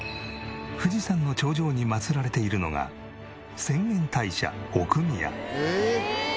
富士山の頂上にまつられているのが浅間大社奥宮。